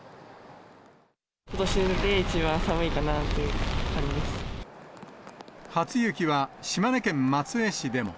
ことしで一番寒いかなって感初雪は、島根県松江市でも。